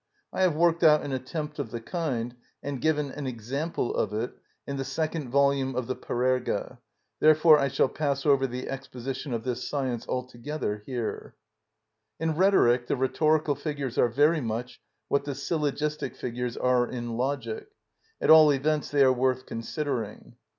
I have worked out an attempt of the kind, and given an example of it, in the second volume of the "Parerga," therefore I shall pass over the exposition of this science altogether here. In Rhetoric the rhetorical figures are very much what the syllogistic figures are in Logic; at all events they are worth considering.